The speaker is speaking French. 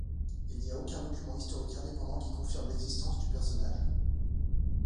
Il n'y a aucun document historique indépendant qui confirme l'existence du personnage.